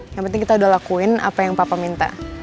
yang penting kita udah lakuin apa yang papa minta